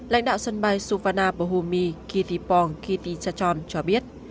lãnh đạo sân bay suvarnabhumi kithipong kittichachorn cho biết